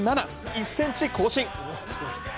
１ｃｍ更新！